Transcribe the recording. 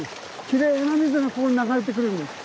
きれいな水がここに流れてくるんです。